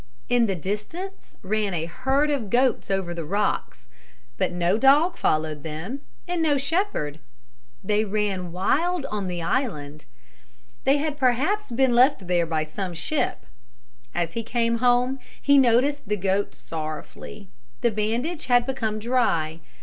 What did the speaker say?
In the distance ran a herd of goats over the rocks. But no dog followed them and no shepherd. They ran wild on the island. They had perhaps been left there by some ship. As he came home he noticed the goat sorrowfully. The bandage had become dry.